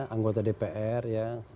anggota dpr ya